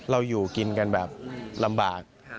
อยู่กินกันแบบลำบาก